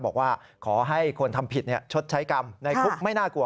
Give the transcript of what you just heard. บอกว่าขอให้คนทำผิดชดใช้กรรมในคุกไม่น่ากลัว